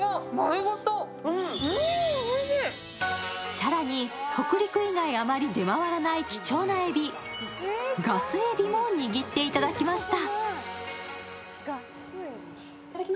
更に、北陸以外あまり出回らない貴重なえび、がす海老も握っていただきました。